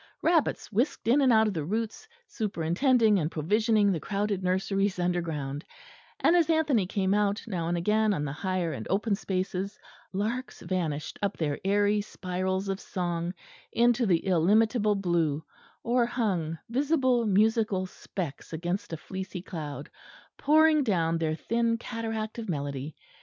Rabbits whisked in and out of the roots, superintending and provisioning the crowded nurseries underground; and as Anthony came out, now and again on the higher and open spaces larks vanished up their airy spirals of song into the illimitable blue; or hung, visible musical specks against a fleecy cloud, pouring down their thin cataract of melody.